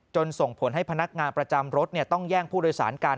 ส่งผลให้พนักงานประจำรถต้องแย่งผู้โดยสารกัน